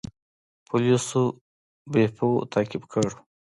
پولیسو بیپو تعقیب کړی و.